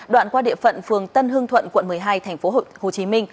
đoạn qua địa phận phường tân hương thuận quận một mươi hai tp hcm